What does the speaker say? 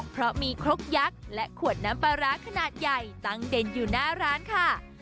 เพราะมีครกยักษ์และขวดน้ำปลาร้าขนาดใหญ่ตั้งเด่นอยู่หน้าร้านค่ะ